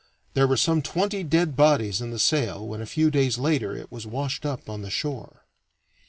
There were some twenty dead bodies in the sail when a few days later it was washed up on the shore.